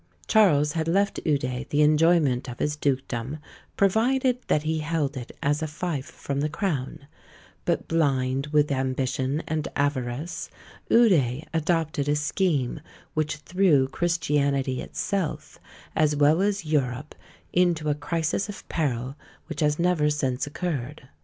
Charles had left Eude the enjoyment of his dukedom, provided that he held it as a fief from the crown; but blind with ambition and avarice, Eude adopted a scheme which threw Christianity itself, as well as Europe, into a crisis of peril which has never since occurred.